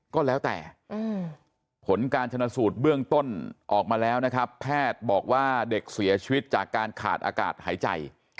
ก็แล้วแต่ผลการชนสูตรเบื้องต้นออกมาแล้วนะครับแพทย์บอกว่าเด็กเสียชีวิตจากการขาดอากาศหายใจ